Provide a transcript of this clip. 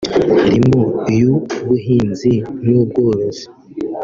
harimo iy’Ubuhinzi n’Ubworozi